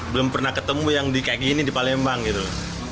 belum pernah ketemu yang di kayak gini di palembang gitu